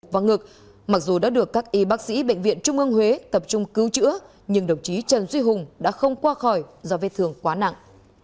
và ngực mặc dù đã được các y bác sĩ bệnh viện trung ương huế tập trung cứu chữa nhưng đồng chí trần duy hùng đã không qua khỏi do vết thương quá nặng